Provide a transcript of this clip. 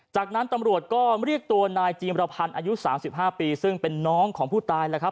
จากนั้นตำรวจก็เรียกตัวนายจีมรพันธ์อายุ๓๕ปีซึ่งเป็นน้องของผู้ตายแล้วครับ